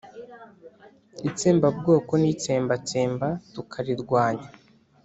itsembabwoko n'itsembatsemba tukarirwanya